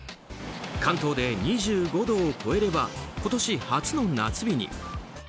関東で２５度を超えれば今年初の夏日に。